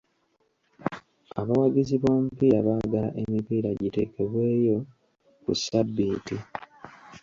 Abawagizi b'omupiira baagala emipiira giteekebweyo ku ssabbiiti.